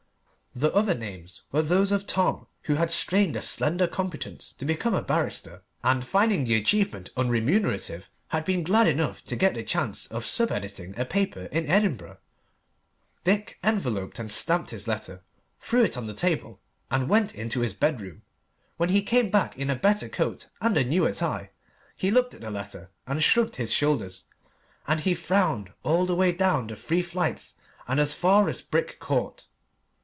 The other names were those of Tom, who had strained a slender competence to become a barrister, and finding the achievement unremunerative, had been glad enough to get the chance of sub editing a paper in Edinburgh. Dick enveloped and stamped his letter, threw it on the table, and went into his bedroom. When he came back in a better coat and a newer tie he looked at the letter and shrugged his shoulders, and he frowned all the way down the three flights and as far as Brick Court.